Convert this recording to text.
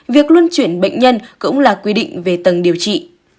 việc luân chuyển bệnh nhân cũng là quy định về tầng điều trị